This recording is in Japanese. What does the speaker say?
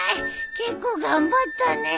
結構頑張ったね。